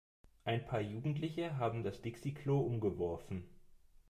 Ein paar Jugendliche haben das Dixi-Klo umgeworfen.